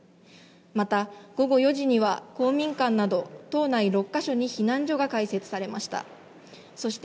また、午後４時には公民館など島内６か所に避難所が開設されました。